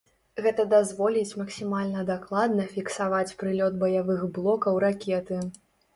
Гэта дазволіць максімальна дакладна фіксаваць прылёт баявых блокаў ракеты.